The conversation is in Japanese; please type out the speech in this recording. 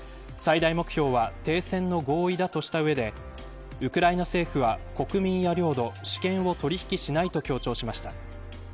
最大目標は停戦の合意だとした上でウクライナ政府は国民や領土主権を取り引きしないと強調しました。